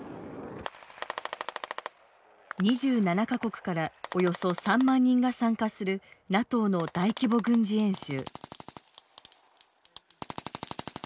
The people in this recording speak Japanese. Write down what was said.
２７か国からおよそ３万人が参加するＮＡＴＯの大規模軍事演習。